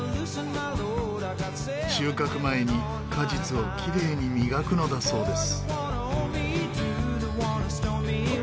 収穫前に果実をきれいに磨くのだそうです。